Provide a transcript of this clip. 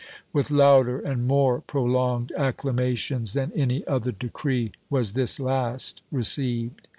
With louder and more prolonged acclamations than any other decree was this last received.